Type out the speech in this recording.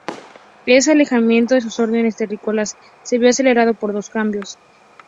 El alejamiento de sus orígenes terrícolas se vio acelerado por dos cambios.